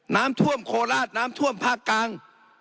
น้ำท่วมโคราชน้ำท่วมภาคกลาง